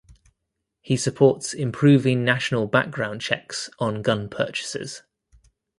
He supports improving national background checks on gun purchases.